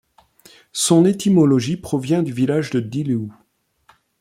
Son étymologie provient du village de Dylew.